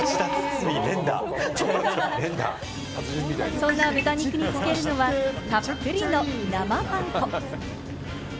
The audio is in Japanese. そんな豚肉につけるのは、たっぷりの生パン粉。